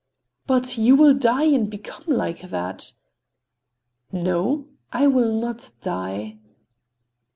"But you will die and become like that." "No, I will not die."